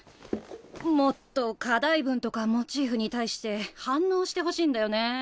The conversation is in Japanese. もっと課題文とかモチーフに対して反応してほしいんだよね。